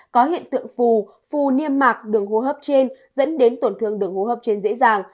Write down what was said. có hiện tượng phù niêm mạc đường hô hấp trên dẫn đến tổn thương đường hô hấp trên dễ dàng